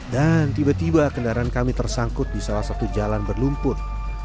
tiba tiba kendaraan kami tersangkut di salah satu jalan berlumpur